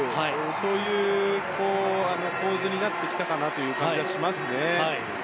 そういう構図になってきたかなという感じがしますね。